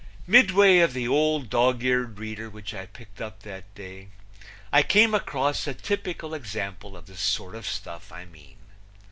Midway of the old dog eared reader which I picked up that day I came across a typical example of the sort of stuff I mean.